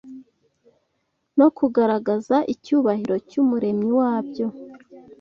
no kugaragaza icyubahiro cy’Umuremyi wabyo